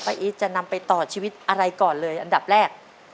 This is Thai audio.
อีทจะนำไปต่อชีวิตอะไรก่อนเลยอันดับแรก